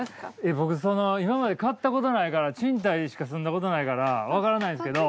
僕その今まで買ったことないから賃貸しか住んだことないからわからないんですけど。